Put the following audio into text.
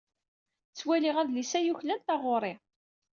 Ttwaliɣ adlis-a yuklal taɣuri.